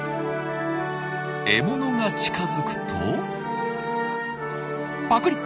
獲物が近づくとパクリ！